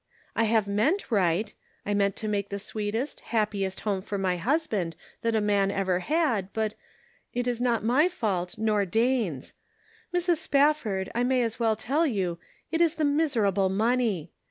I have meant right. I meant to make the sweetest, happiest home for my husband that a man ever had but — it is not my fault, nor Dane's. Mrs. Spafford, I may as well tell you, it is the miserable money.